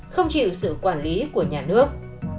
không chịu sự quản lý của nhà nước